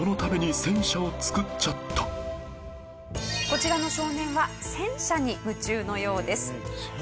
こちらの少年は戦車に夢中のようです。